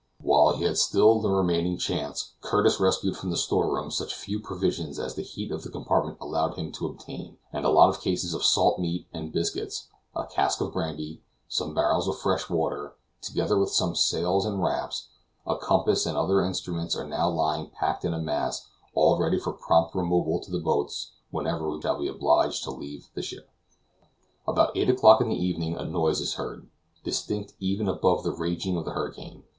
While he had still the remaining chance, Curtis rescued from the store room such few provisions as the heat of the compartment allowed him to obtain; and a lot of cases of salt meat and biscuits, a cask of brandy, some barrels of fresh water, together with some sails and wraps, a compass and other instruments are now lying packed in a mass all ready for prompt removal to the boats whenever we shall be obliged to leave the ship. About eight o'clock in the evening, a noise is heard, distinct even above the raging of the hurricane.